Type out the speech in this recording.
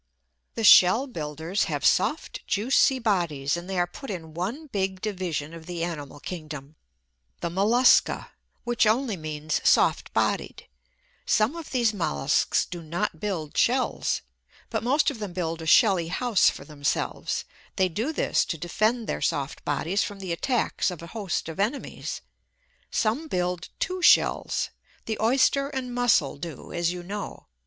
The shell builders have soft, juicy bodies, and they are put in one big division of the animal kingdom the mollusca, which only means soft bodied. Some of these molluscs do not build shells. But most of them build a shelly house for themselves; they do this to defend their soft bodies from the attacks of a host of enemies. Some build two shells the Oyster and Mussel do, as you know.